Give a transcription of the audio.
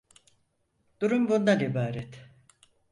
Durum bundan ibaret.